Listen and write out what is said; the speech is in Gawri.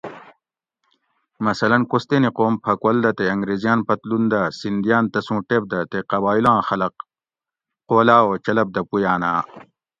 مثلاً کوستینی قوم پھکول دہ تے انگریزیاں پتلوں دہ سیندیاۤن تسوں ٹیپ دہ تے قبائلاں خلق قولاۤ او چلپ دہ پویاۤناۤں